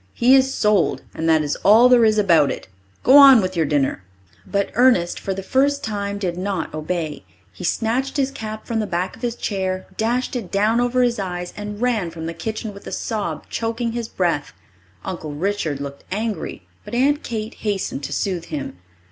He is sold, and that is all there is about it. Go on with your dinner." But Ernest for the first time did not obey. He snatched his cap from the back of his chair, dashed it down over his eyes, and ran from the kitchen with a sob choking his breath. Uncle Richard looked angry, but Aunt Kate hastened to soothe him.